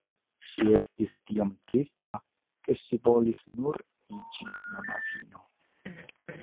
Ŝi estis tiom trista ke ŝi volis nur iĝi monaĥino.